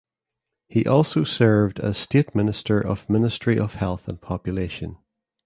He also served as State Minister of Ministry of Health and Population.